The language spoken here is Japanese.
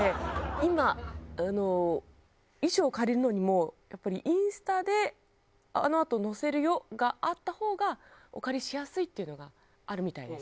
今あの衣装を借りるのにもやっぱりインスタであのあと載せるよがあった方がお借りしやすいっていうのがあるみたいです。